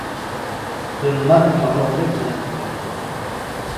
• Zulmat yorug‘lik bilan tugaydi.